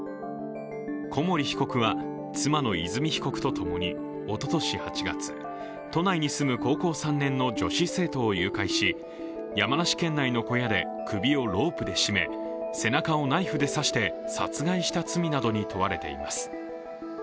小森被告は、妻の和美被告とともにおととし８月、都内に住む高校３年の女子生徒を誘拐し、山梨県内の小屋で首をロープで絞め背中をナイフで刺して殺害した罪などに問われています。